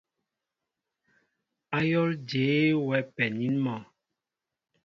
Ayól jeé wɛ penin mɔ?